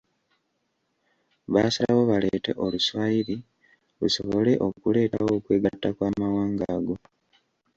Baasalawo baleete Oluswayiri lusobole okuleetawo okwegatta kw'amawanga ago.